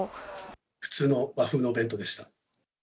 普通の和風のお弁当でした。